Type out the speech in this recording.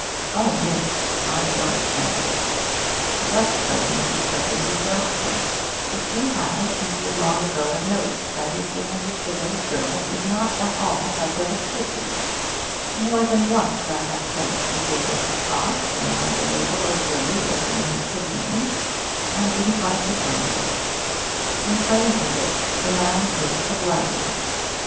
'Oh! miss, I don't think' 'Just so, Mrs. Turpin; you don't think. If you had, you would long ago have noticed that his behaviour to those girls is not at all such as it should be. More than once I have chanced to hear bits of talk, when either Mabel or Lily was in his sitting room, and didn't like the tone of it. In plain English, the man is a blackguard.'